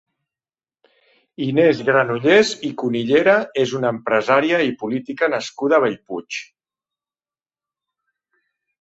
Inés Granollers i Cunillera és una empresària i política nascuda a Bellpuig.